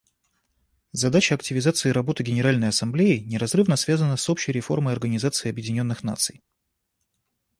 Задача активизации работы Генеральной Ассамблеи неразрывно связана с общей реформой Организации Объединенных Наций.